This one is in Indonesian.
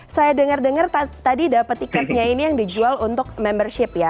saya dengar dengar tadi dapat tiketnya ini yang dijual untuk membership ya